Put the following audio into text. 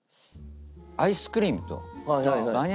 アイスクリームと。